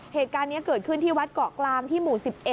เหตุการณ์นี้เกิดขึ้นที่วัดเกาะกลางที่หมู่๑๑